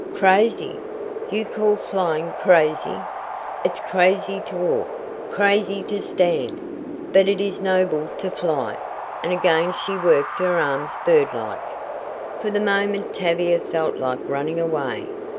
"Crazy! You call flying crazy! It's crazy to walk, crazy to stand, but it is noble to fly!" and again she worked her arms bird like. For the moment Tavia felt like running away.